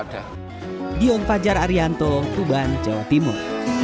ada diom fajar arianto tuban jawa timur